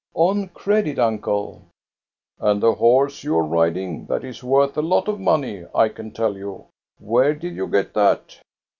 " On credit, uncle." " And the horse you are riding, that is worth a lot of money, I can tell you. Where did you get that?"